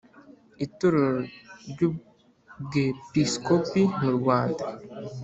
Itorero ry Ubwepiskopi mu Rwanda